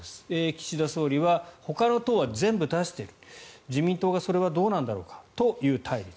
岸田総理はほかの党は全部出している自民党はそれはどうなんだろうかという対立。